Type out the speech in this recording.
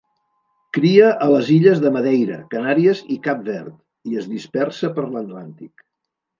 Cria a les illes de Madeira, Canàries i Cap Verd i es dispersa per l'Atlàntic.